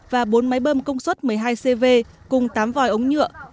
và bốn máy bơm công suất một mươi hai cv cùng tám vòi ống nhựa